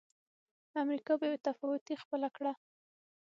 امریکا بې تفاوتي خپله کړه.